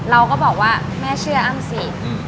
เราก็บอกว่าแม่เชื่ออ้ำสิ